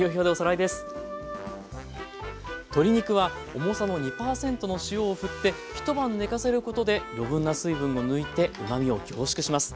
鶏肉は重さの２％の塩を振って一晩寝かせることで余分な水分を抜いてうまみを凝縮します。